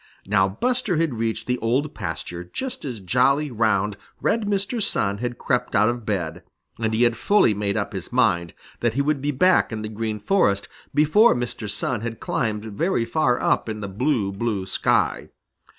Now Buster had reached the Old Pasture just as jolly, round, red Mr. Sun had crept out of bed, and he had fully made up his mind that he would be back in the Green Forest before Mr. Sun had climbed very far up in the blue, blue sky.